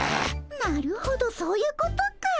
なるほどそういうことかい。